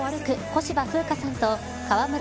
小芝風花さんと川村壱